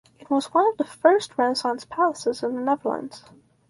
It was one of the first Renaissance palaces in the Netherlands.